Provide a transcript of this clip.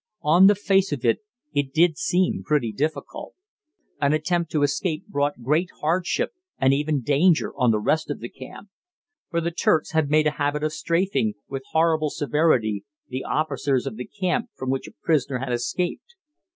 On the face of it, it did seem pretty difficult. An attempt to escape brought great hardship and even danger on the rest of the camp; for the Turks had made a habit of strafing, with horrible severity, the officers of the camp from which a prisoner had escaped.